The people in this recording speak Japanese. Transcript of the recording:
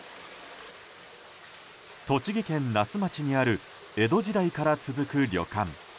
栃木県那須町にある江戸時代から続く旅館。